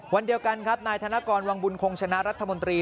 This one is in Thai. วันเดียวกันครับนายธนกรวังบุญคงชนะรัฐมนตรี